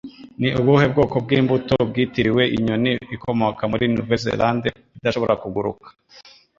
Ni ubuhe bwoko bw'imbuto bwitiriwe inyoni ikomoka muri Nouvelle-Zélande, idashobora kuguruka